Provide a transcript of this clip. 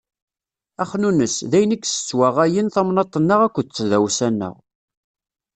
Axnunnes, d ayen i yessettwaɣayen tamnaḍt-nneɣ akked tdawsa-nneɣ.